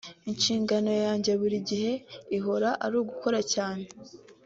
Inshingano yanjye buri gihe ihora ari ugukora cyane